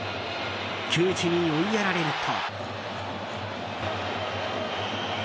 窮地に追いやられると。